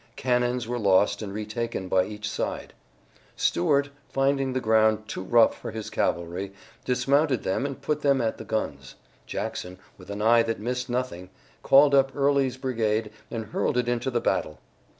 Cannons were lost and retaken by each side. Stuart, finding the ground too rough for his cavalry, dismounted them and put them at the guns. Jackson, with an eye that missed nothing, called up Early's brigade and hurled it into the battle.